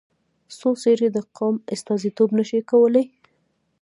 څو څېرې د قوم استازیتوب نه شي کولای.